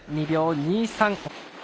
２秒２３。